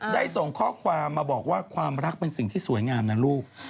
ได้ส่งข้อความมาบอกว่าความรักเป็นสิ่งที่สวยงามนะลูก